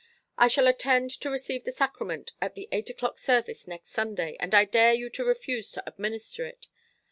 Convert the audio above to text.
"I shall attend to receive the sacrament at the eight o'clock service next Sunday, and I dare you to refuse to administer it.